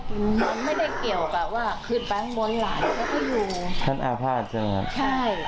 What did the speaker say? มันไม่ได้เกี่ยวกับว่าคือแบงค์ม้วนหลานเขาก็อยู่ท่านอภาษณ์ใช่ไหมครับใช่